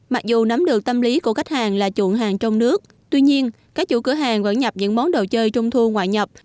mặc dù nắm được tâm lý của khách hàng là chuộng hàng trong nước tuy nhiên các chủ cửa hàng vẫn nhập những món đồ chơi trung thu ngoại nhập